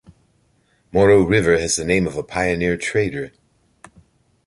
Moreau River has the name of a pioneer trader.